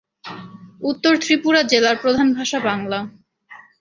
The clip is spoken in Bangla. উত্তর ত্রিপুরা জেলার প্রধান ভাষা বাংলা।